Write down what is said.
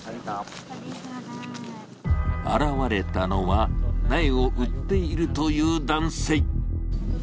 現れたのは、苗を売っているという男性。